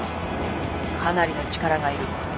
かなりの力がいる。